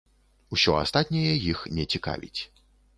Усё астатняе іх не цікавіць.